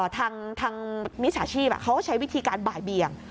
ทางมิจฉาชีพเขาก็ใช้วิธีการบ่ายเบียง